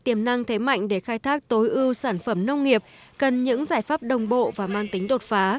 tiềm năng thế mạnh để khai thác tối ưu sản phẩm nông nghiệp cần những giải pháp đồng bộ và mang tính đột phá